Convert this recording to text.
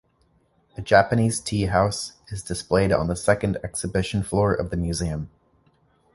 A Japanese tea house is displayed on the second exhibition floor of the museum.